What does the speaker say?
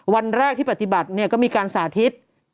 วันแรกที่ปฏิบัติเนี่ยก็มีการสาธิต